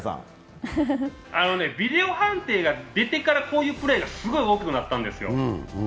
ビデオ判定が出てから、こういうプレーがすごく多くなったんですよ。